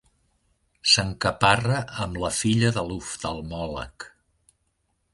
S'encaparra amb la filla de l'oftalmòleg.